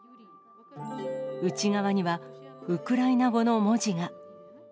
内側には、ウクライナ語の文字が。